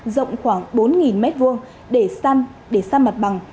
rộng khoảng bốn m hai để săn mặt bằng